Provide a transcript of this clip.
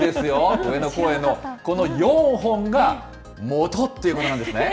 上野公園の、この４本がもとっていうことなんですね。